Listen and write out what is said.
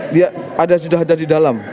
dia sudah ada di dalam